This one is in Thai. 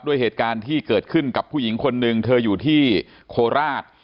เหตุการณ์ที่เกิดขึ้นกับผู้หญิงคนหนึ่งเธออยู่ที่โคราช